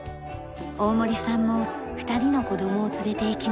大森さんも２人の子供を連れていきます。